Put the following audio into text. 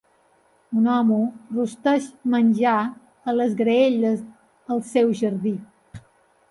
Un home rosteix menjar a les graelles al seu jardí.